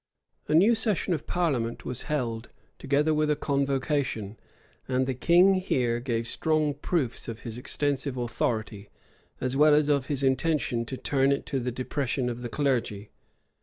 {1531.} A new session of parliament was held, together with a convocation; and the king here gave strong proofs of his extensive authority, as well as of his intention to turn it to the depression of the clergy.